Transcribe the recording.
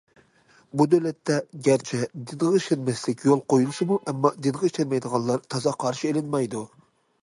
بۇ دۆلەتتە گەرچە دىنغا ئىشەنمەسلىك يول قۇيۇلسىمۇ، ئەمما دىنغا ئىشەنمەيدىغانلار تازا قارشى ئېلىنمايدۇ.